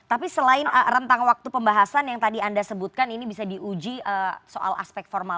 tapi selain rentang waktu pembahasan yang tadi anda sebutkan ini bisa diuji soal aspek formal